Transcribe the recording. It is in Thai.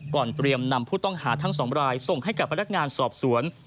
เตรียมนำผู้ต้องหาทั้ง๒รายส่งให้กับพนักงานสอบสวน